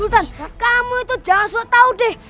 sultan kamu itu jangan sok tau deh